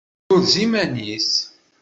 Turez iman-is.